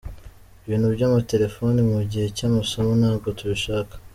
Ibintu by’amatelefoni mu gihe cy’amasomo ntabwo tubishaka .